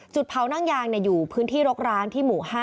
เผานั่งยางอยู่พื้นที่รกร้างที่หมู่๕